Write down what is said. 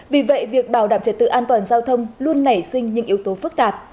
vì vậy việc bảo đảm trật tự an toàn giao thông luôn nảy sinh những yếu tố phức tạp